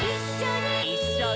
「いっしょに」